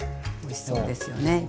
おいしそうですよね。